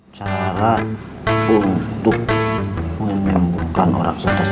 cara untuk menyembuhkan orang setes